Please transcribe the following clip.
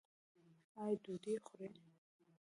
ایا ډوډۍ خورئ؟